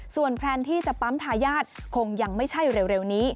ส่วนแพลนที่จะปั๊มทายาทคงยังไม่ใช่เร็วนี้